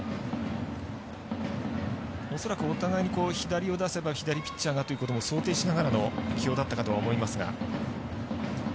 恐らくお互いに左を出せば左ピッチャーがということも想定しながらの起用だったかとは思いますが。